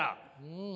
うん。